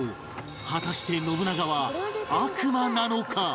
果たして信長は悪魔なのか？